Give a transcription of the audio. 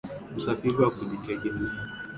msafiri wa kujitegemea kupanga mipangilio yako ya